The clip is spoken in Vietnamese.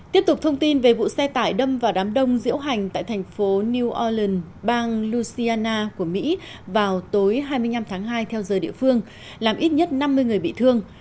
tiếp tục thông tin về vụ xe tải đâm vào đám đông diễu hành tại thành phố new ourland bang lussiana của mỹ vào tối hai mươi năm tháng hai theo giờ địa phương làm ít nhất năm mươi người bị thương